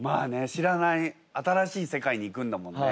知らない新しい世界に行くんだもんね。